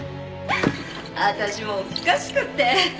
私もうおかしくって。